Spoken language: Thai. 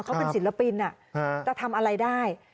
เขาเป็นศิลปินจะทำอะไรได้